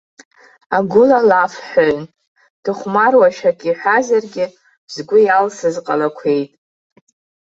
Агәыла лафҳәаҩын, дыхәмаруашәа акы иҳәазаргьы, згәы иалсыз ҟалақәеит.